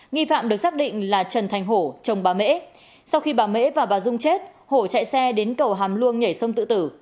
nghi phạm được xác định là trần thành hổ chồng bà mễ sau khi bà mễ và bà dung chết hổ chạy xe đến cầu hàm luông nhảy sông tự tử